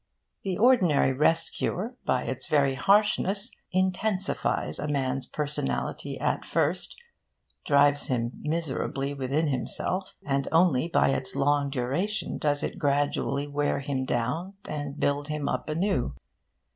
The ordinary rest cure, by its very harshness, intensifies a man's personality at first, drives him miserably within himself; and only by its long duration does it gradually wear him down and build him up anew.